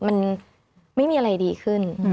มันไม่มีอะไรดีขึ้น